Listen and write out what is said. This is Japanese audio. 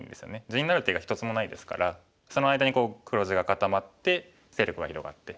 地になる手が一つもないですからその間に黒地が固まって勢力が広がって。